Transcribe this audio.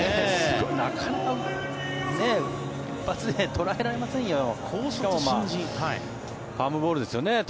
なかなか一発で捉えられませんよ。